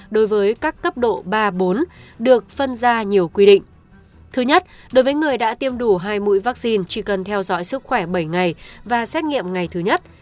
đối với người đã tiêm đủ hai mũi vaccine chỉ cần theo dõi sức khỏe bảy ngày và xét nghiệm ngày thứ nhất